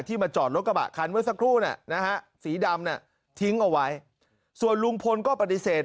มาจอดรถกระบะคันเมื่อสักครู่นะฮะสีดำทิ้งเอาไว้ส่วนลุงพลก็ปฏิเสธ